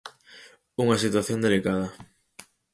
Unha situación delicada.